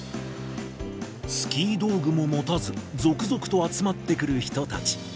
スキー道具も持たず、続々と集まってくる人たち。